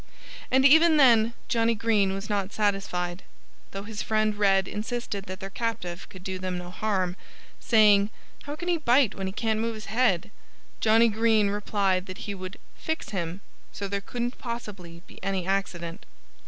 And even then Johnnie Green was not satisfied. Though his friend Red insisted that their captive could do them no harm (saying, "How can he bite when he can't move his head?") Johnnie Green replied that he would "fix him" so there couldn't possibly be any accident.